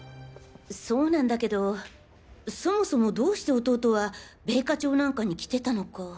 そうなんだけどそもそもどうして弟は米花町なんかに来てたのか。